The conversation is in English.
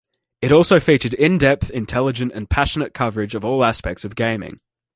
It also featured in-depth, intelligent and passionate coverage of all aspects of gaming.